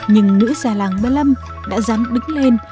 nhưng nữ xà làng bê lâm đã dám đứng lên